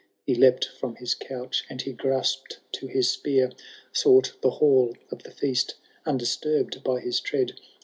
He leapt from his couch and he graspM to his spear ; Sought the hall of the feast. Undisturbed by his tread.